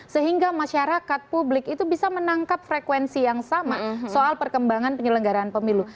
sehingga masyarakat publik itu bisa menangkap frekuensi yang sama soal perkembangan penyelenggaraan pemilu